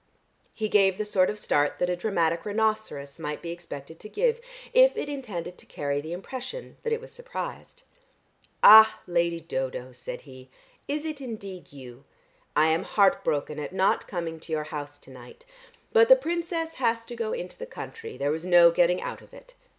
He gave the sort of start that a dramatic rhinoceros might be expected to give, if it intended to carry the impression that it was surprised. "Ah, Lady Dodo," said he. "Is it indeed you? I am heartbroken at not coming to your house to night. But the Princess has to go into the country; there was no getting out of it.